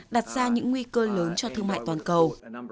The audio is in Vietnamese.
đặt ra những nguy cơ lớn cho thương mại toàn cầu